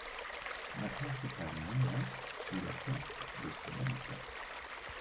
La principale menace est la perte de son habitat.